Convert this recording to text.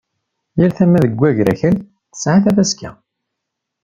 Yal tama deg wagrakal tesɛa tafaska.